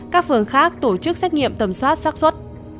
các phường khác tổ chức xét nghiệm tầm soát sắc xuất